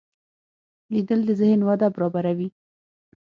لیدل د ذهن وده برابروي